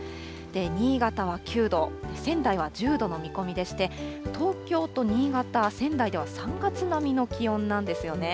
新潟は９度、仙台は１０度の見込みでして、東京と新潟、仙台では３月並みの気温なんですよね。